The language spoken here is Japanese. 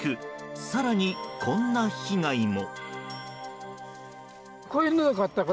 更に、こんな被害も。